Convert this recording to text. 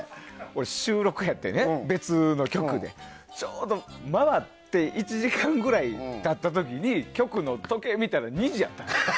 俺収録やってね、別の局でちょうど回って１時間くらい経った時に局の時計を見たら２時やった。